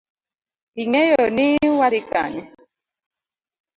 Ing’eyoni wadhi Kanye?